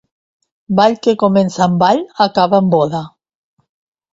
Ball que comença en ball, acaba en boda.